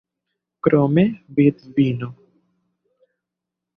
Krome, vidvino.